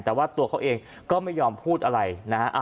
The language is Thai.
แต่ว่าตัวเขาเองก็ไม่ยอมพูดอะไรนะฮะ